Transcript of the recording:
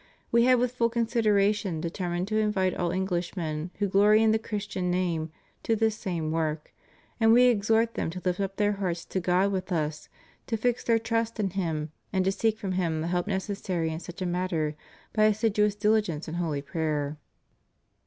We have with full consideration determined to invite all Englishmen who glory in the Christian name to this same work, and We exhort them to lift up their hearts to God with Us, to fix their trust in Him, and to seek from Him the help necessary in such a matter by assiduous diligence in holy prayer.